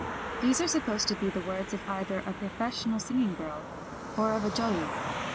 These are supposed to be the words either of a professional singing girl or of a jord.